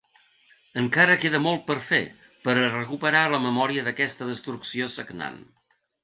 Encara queda molt per fer per a recuperar la memòria d’aquesta destrucció sagnant.